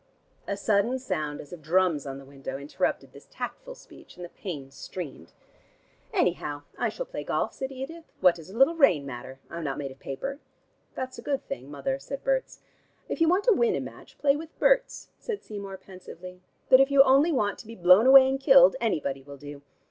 A sudden sound as of drums on the window interrupted this tactful speech, and the panes streamed. "Anyhow I shall play golf," said Edith. "What does a little rain matter? I'm not made of paper." "That's a good thing, Mother," said Berts. "If you want to win a match, play with Berts," said Seymour pensively. "But if you only want to be blown away and killed, anybody will do.